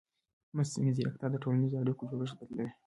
مصنوعي ځیرکتیا د ټولنیزو اړیکو جوړښت بدلوي.